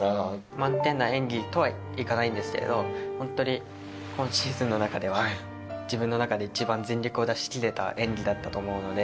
満点な演技とはいかないんですけどホントに今シーズンの中では自分の中で一番全力を出しきれた演技だったと思うので。